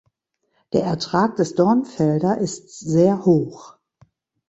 Der Ertrag des Dornfelder ist sehr hoch.